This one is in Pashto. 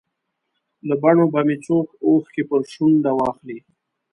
له بڼو به مې څوک اوښکې پر شونډه واخلي.